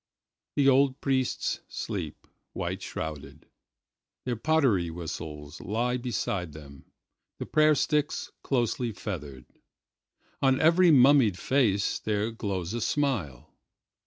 The old priests sleep, white shrouded; Their pottery whistles lie beside them, the prayer sticks closely feathered. On every mummied face there glows a smile.